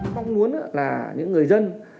mong muốn là những người dân